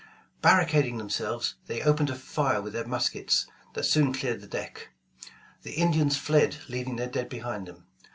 Barricading themselves, they opened a fire with their muskets that soon cleared the deck. The Indians fled leaving their dead behind them.